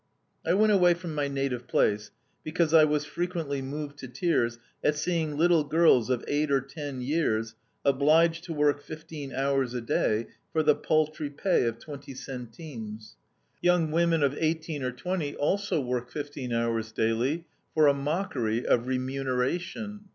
"I went away from my native place because I was frequently moved to tears at seeing little girls of eight or ten years obliged to work fifteen hours a day for the paltry pay of twenty centimes. Young women of eighteen or twenty also work fifteen hours daily, for a mockery of remuneration.